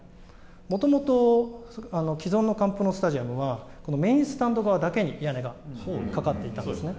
もともと、既存のカンプノウスタジアムは、メインスタンド側だけに屋根がかかっていたんですね。